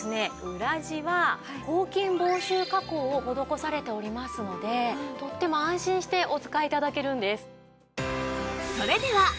裏地は抗菌防臭加工を施されておりますのでとっても安心してお使い頂けるんです。